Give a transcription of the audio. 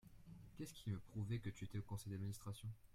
Qu’est-ce qui me prouvait que tu étais en Conseil d’Administration ?